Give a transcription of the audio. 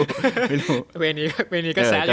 แต่เวย์นี้ก็แซส